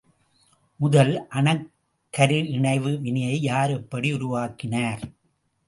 முதல் அணுக்கரு இணைவு வினையை யார், எப்படி உருவாக்கினார்?